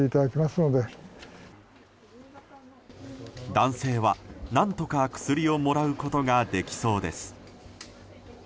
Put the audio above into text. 男性は、何とか薬をもらうことができそうです。